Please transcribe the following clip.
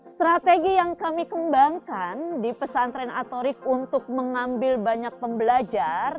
strategi yang kami kembangkan di pesantren atorik untuk mengambil banyak pembelajar